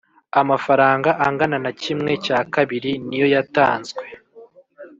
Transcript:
Amafaranga angana na kimwe cya kabiri niyo yatanzwe